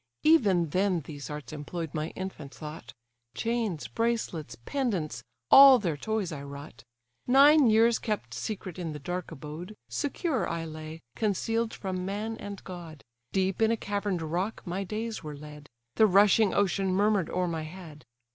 Even then these arts employ'd my infant thought: Chains, bracelets, pendants, all their toys, I wrought. Nine years kept secret in the dark abode, Secure I lay, conceal'd from man and god: Deep in a cavern'd rock my days were led; The rushing ocean murmur'd o'er my head.